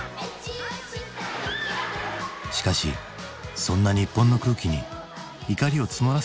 しかしそんな日本の空気に怒りを募らせている国があった。